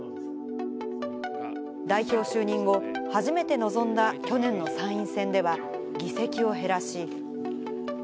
代表就任後、初めて臨んだ去年の参院選では議席を減らし。